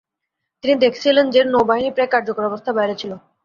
তিনি দেখেছিলেন যে নৌবাহিনী প্রায় কার্যকর অবস্থার বাইরে ছিল।